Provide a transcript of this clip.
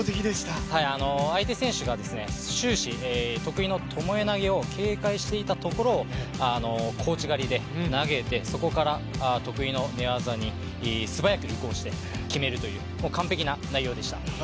相手選手が終始、得意のともえ投げを警戒していたところ小内刈りで投げ手そこから得意の寝技に素早く移行して決めるという完璧な内容でした。